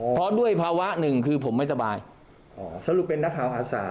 เพราะด้วยภาวะหนึ่งคือผมไม่สบายสรุปเป็นนักข่าวอาสา